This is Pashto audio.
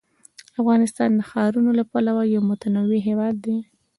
افغانستان د ښارونو له پلوه یو متنوع هېواد دی.